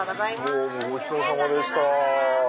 どうもごちそうさまでした。